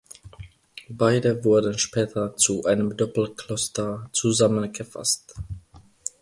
Beide wurden später zu einem Doppelkloster zusammengefasst.